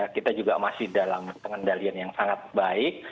kita juga masih dalam pengendalian yang sangat baik